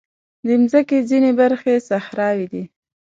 د مځکې ځینې برخې صحراوې دي.